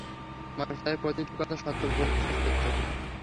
মানুষ তাদের প্রতিটি কথা সত্য বলে বিশ্বাস করত।